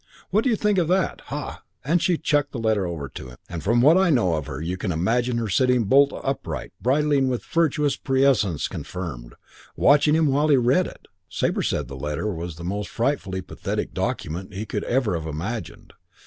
"'What do you think of that? Ha!' and she chucked the letter over to him, and from what I know of her you can imagine her sitting bolt upright, bridling with virtuous prescience confirmed, watching him, while he read it. "While he read it.... Sabre said the letter was the most frightfully pathetic document he could ever have imagined.